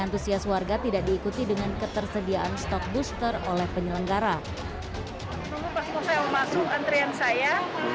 antusias warga tidak diikuti dengan ketersediaan stok booster oleh penyelenggara masuk antrian saya